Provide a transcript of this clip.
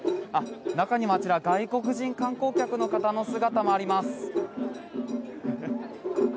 中にもあちら外国人観光客の方の姿もあります。